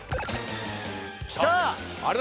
きた！